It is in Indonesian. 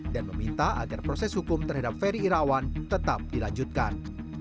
dan meminta agar proses hukum terhadap ferry rawan tetap dilanjutkan